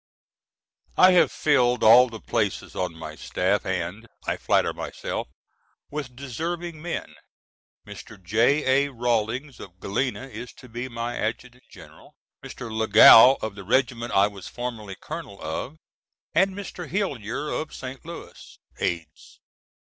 I have filled all the places on my staff and, I flatter myself, with deserving men: Mr. J.A. Rawlins of Galena is to be my Adjutant General, Mr. Lagow of the regiment I was formerly colonel of, and Mr. Hillyer of St. Louis, aides.